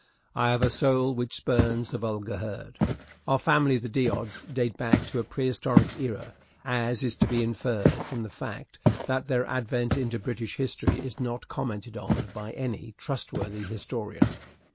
I have a soul which spurns the vulgar herd. Our family, the D'Odds, date back to a prehistoric era, as is to be inferred from the fact that their advent into British history is not commented on by any trustworthy historian.